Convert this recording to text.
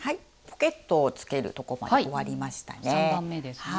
ポケットをつけるとこまで終わりましたね。